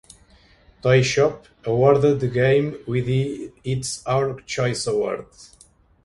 Toy Shop awarded the game with its Our Choice award.